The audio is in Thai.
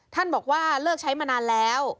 ท่านบอกว่าเลิกใช้มานานแล้ว